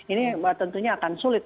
ini tentunya akan sulit